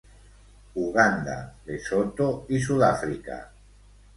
Uganda, Lesotho i Sud-àfrica.